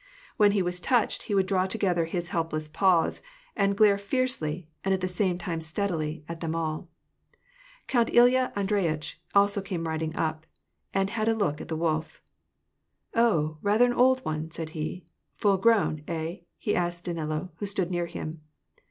When he was touched, he would draw together his helpless paws, and glare fiercely, and at the same time steadily, at them all. Count Ilya Andreyitch also came riding up, and had a look at the wolf. " Oh, rather an old one," said he. " Full grown, hey ?he asked of Danilo, who stood near him.